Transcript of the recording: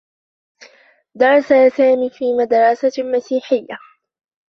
درس سامي في مدرسة مسيحيّة.